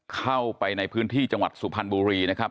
เข้าไปในพื้นที่จังหวัดสุพรรณบุรีนะครับ